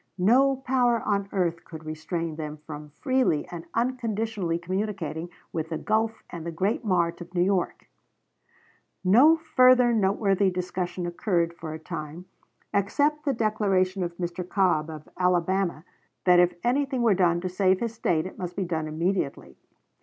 No power on earth could restrain them from freely and unconditionally communicating with the Gulf and the great mart of New York. Ibid., Dec. 10, 1860, p. 59. No further noteworthy discussion occurred for a time, except the declaration of Mr. Cobb, of Alabama, that if anything were done to save his State it must be done immediately.